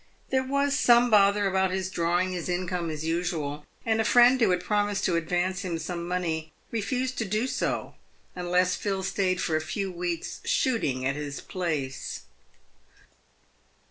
There was some bother about his drawing his income as usual, and a friend who had promised to advance him some money refused to do so unless Phil stayed for a few weeks' shooting at his place.